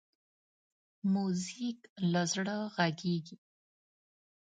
موزیک له زړه غږېږي.